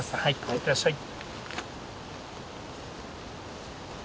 いってらっしゃい。